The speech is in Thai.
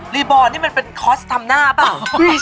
บอลนี่มันเป็นคอร์สทำหน้าเปล่า